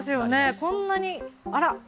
こんなにあら。